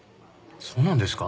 そうなんですか？